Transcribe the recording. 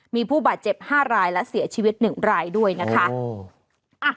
มีผู้บาดเจ็บ๕รายและเสียชีวิต๑รายด้วยนะคะ